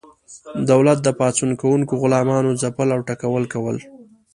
دولت د پاڅون کوونکو غلامانو ځپل او ټکول کول.